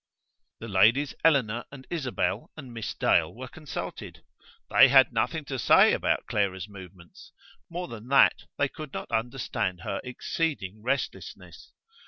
The ladies Eleanor and Isabel and Miss Dale were consulted. They had nothing to say about Clara's movements, more than that they could not understand her exceeding restlessness.